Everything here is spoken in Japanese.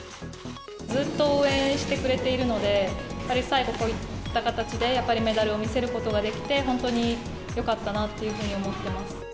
ずっと応援してくれているので、やっぱり最後こういった形で、やっぱりメダルを見せることができて、本当によかったなというふうに思っています。